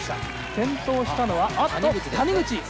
転倒したのは谷口。